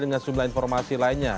dengan sumber informasi lainnya